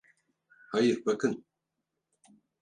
Hayır, bakın.